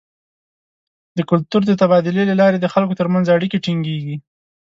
د کلتور د تبادلې له لارې د خلکو تر منځ اړیکې ټینګیږي.